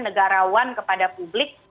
negarawan kepada publik